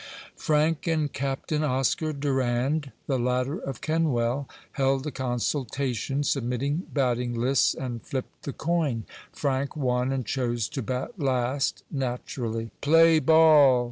Frank and Captain Oscar Durand, the latter of Kenwell, held a consultation, submitted batting lists, and flipped the coin. Frank won and chose to bat last, naturally. "Play ball!"